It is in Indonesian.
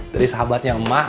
dari sahabatnya mak